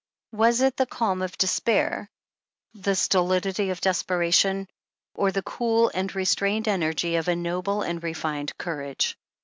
Was it the calm of despair, the stolidity of despera tion, or the cool and restrained energy of a noble and refined courage